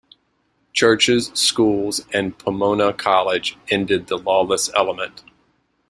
Churches, schools, and Pomona College ended the lawless element.